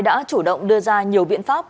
đã chủ động đưa ra nhiều biện pháp